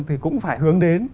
thì cũng phải hướng đến